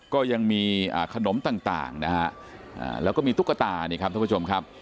ก็ยังมีขนมต่างแล้วก็มีตุ๊กตา